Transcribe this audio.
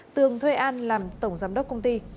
tường thuê an làm tổng giám đốc công ty